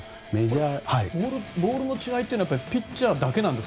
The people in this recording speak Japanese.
ボールの違いはピッチャーだけなんですか？